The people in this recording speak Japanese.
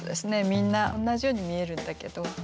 みんな同じように見えるんだけど。